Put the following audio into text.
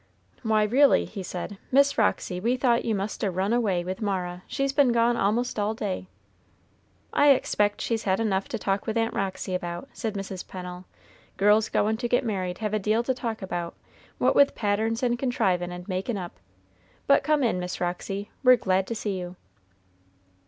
"Why, reely," he said, "Miss Roxy, we thought you must a run away with Mara; she's been gone a'most all day." "I expect she's had enough to talk with Aunt Roxy about," said Mrs. Pennel. "Girls goin' to get married have a deal to talk about, what with patterns and contrivin' and makin' up. But come in, Miss Roxy; we're glad to see you."